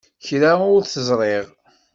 Kra ur t-ẓriɣ.